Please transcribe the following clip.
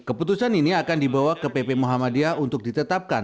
keputusan ini akan dibawa ke pp muhammadiyah untuk ditetapkan